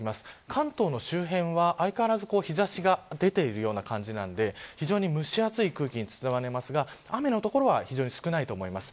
関東の周辺は相変わらず日差しが出ているような感じなので非常に蒸し暑い空気に包まれますが雨の所は非常に少ないと思います。